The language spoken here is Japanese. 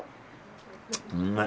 うまい！